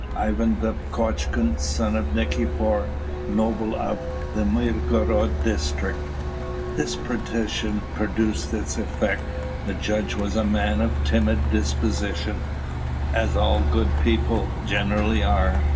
"Ivan Dovgotchkun, son of Nikifor, noble of the Mirgorod District." This petition produced its effect. The judge was a man of timid disposition, as all good people generally are.